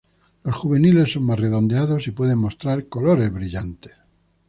Los juveniles son más redondeados y pueden mostrar colores brillantes.